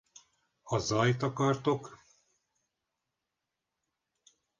A Ha zajt akartok!